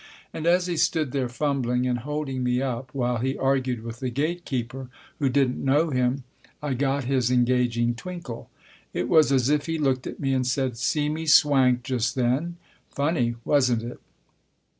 And as he stood there fumbling, and holding me up while he argued with the gate keeper, who didn't know him, I got his engaging twinkle. It was as if he looked at me and said, " See me swank just then ? Funny, wasn't it